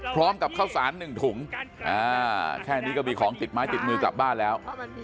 พร้อมกับข้าวสาร๑ถุงแค่นี้ก็มีของติดไม้ติดมือกลับบ้านแล้ว